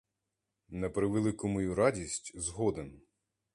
На превелику мою радість — згоден!